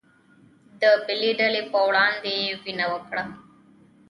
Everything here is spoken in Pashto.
د بلې ډلې په وړاندې يې وينه وکړه